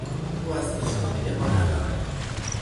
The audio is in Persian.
او از هیچکاری ابا ندارد.